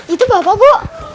itu bapak bu